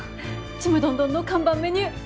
ちむどんどんの看板メニュー！